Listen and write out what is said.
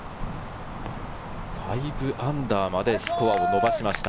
−５までスコアを伸ばしました。